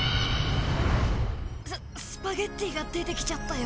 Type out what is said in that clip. ススパゲッティがでてきちゃったよ。